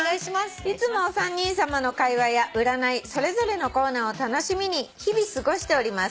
「いつもお三人さまの会話や占いそれぞれのコーナーを楽しみに日々過ごしております」